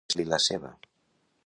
Veure-se-li la ceba.